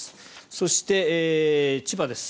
そして、千葉です。